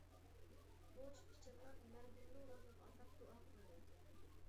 بوش پىچىرلاپ، مەرھۇمنىڭ روھىغا ئاتاپ دۇئا قىلدى.